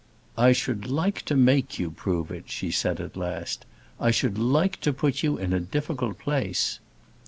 "I should like to make you prove it," she said, at last. "I should like to put you in a difficult place."